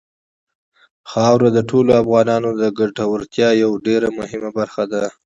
خاوره د ټولو افغانانو د ګټورتیا یوه ډېره مهمه برخه ده.